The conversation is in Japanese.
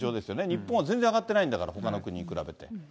日本は全然上がってないんだから、ほかの国に比べて。